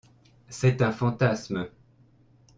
C’est un fantasme.